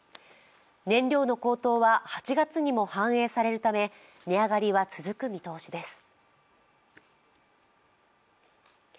燃料の高騰は８月にも反映されるため値上がりは続く見通しです。